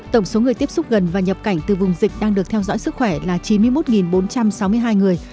tổng số người tiếp xúc gần và nhập cảnh từ vùng dịch đang được theo dõi sức khỏe là chín mươi một bốn trăm sáu mươi hai người